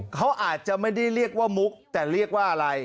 เขาอาจจะไม่ได้เรียกว่ามุกแต่เรียกว่าอะไร